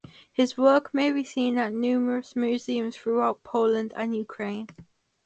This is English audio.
His works may be seen at numerous museums throughout Poland and Ukraine.